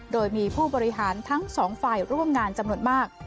โดยมีผู้บริหารทั้งสองฝ่ายร่วมงานจำนวนมาก